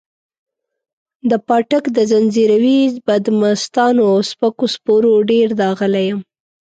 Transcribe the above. د پاټک د ځنځیري بدمستانو سپکو سپورو ډېر داغلی یم.